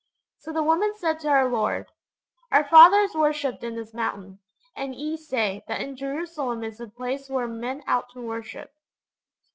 So the woman said to our Lord, '_Our fathers worshipped in this mountain; and ye say, that in Jerusalem is the place where men ought to worship.